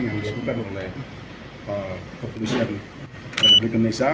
yang disiapkan oleh keputusan negeri genesa